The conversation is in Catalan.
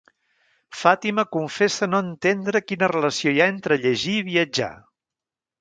Fàtima confessa no entendre quina relació hi ha entre llegir i viatjar.